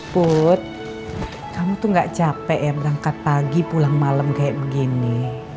put kamu tuh gak capek ya berangkat pagi pulang malam kayak begini